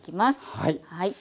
はい。